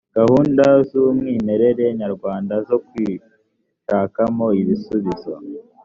gahunda z umwimerere nyarwanda zo kwishakamo ibisubizo